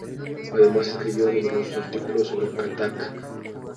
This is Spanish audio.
Además escribió numerosos artículos sobre Kathak.